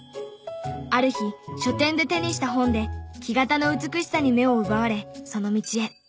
ある日書店で手にした本で木型の美しさに目を奪われその道へ。